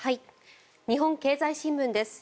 日本経済新聞です。